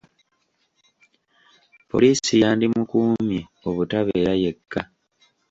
Poliisi yandi mukumye obutabeera yekka.